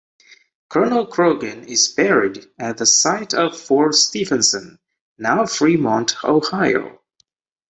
Colonel Croghan is buried at the site of Fort Stephenson, now Fremont, Ohio.